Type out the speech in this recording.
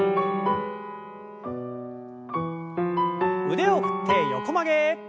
腕を振って横曲げ。